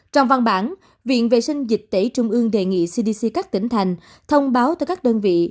trong văn bản viện vệ sinh dịch tễ trung ương đề nghị cdc các tỉnh thành thông báo tới các đơn vị